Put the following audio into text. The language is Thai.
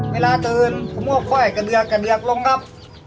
เวลาตื่นผมก็ค่อยกระเดือกกระเดือกลงครับ